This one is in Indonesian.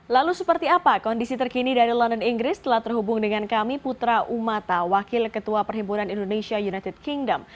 lalu seperti apa kondisi terkini dari london inggris telah terhubung dengan kami putra umata wakil ketua perhimpunan indonesia united kingdom